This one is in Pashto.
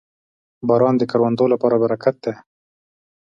• باران د کروندو لپاره برکت دی.